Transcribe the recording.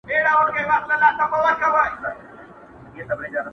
په ځیګر خون په خوله خندان د انار رنګ راوړی،